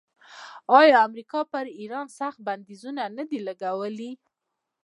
آیا امریکا پر ایران سخت بندیزونه نه دي لګولي؟